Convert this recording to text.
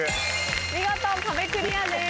見事壁クリアです。